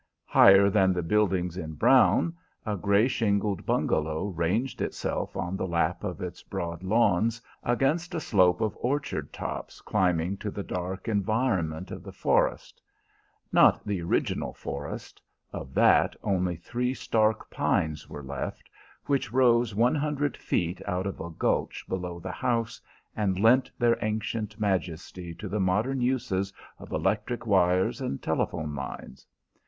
Higher than the buildings in brown, a gray shingled bungalow ranged itself on the lap of its broad lawns against a slope of orchard tops climbing to the dark environment of the forest. Not the original forest: of that only three stark pines were left, which rose one hundred feet out of a gulch below the house and lent their ancient majesty to the modern uses of electric wires and telephone lines.